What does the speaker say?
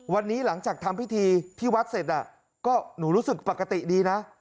วันนี้หลังจากทำพิธีที่วัดเสร็จก็หนูรู้สึกปกติดีนะ